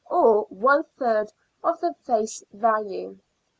or one third of the face value.